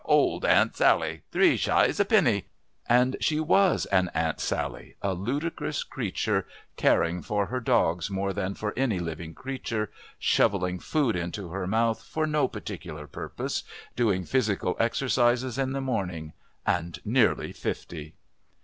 Old Aunt Sally! Three shies a penny!" And she was an Aunt Sally, a ludicrous creature, caring for her dogs more than for any living creature, shovelling food into her mouth for no particular purpose, doing physical exercises in the morning, and nearly fifty!